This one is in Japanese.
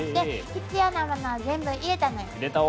必要なものは全部入れたのよ。